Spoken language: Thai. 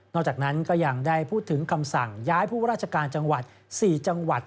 จากนั้นก็ยังได้พูดถึงคำสั่งย้ายผู้ราชการจังหวัด๔จังหวัด